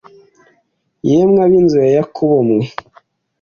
yemwe ab’inzu ya Yakobo mwe,